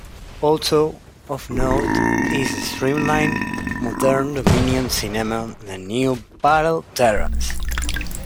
Also of note is the Streamline Moderne Dominion Cinema on Newbattle Terrace.